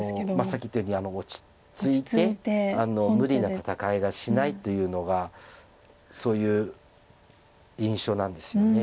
さっき言ったように落ち着いて無理な戦いをしないというのがそういう印象なんですよね。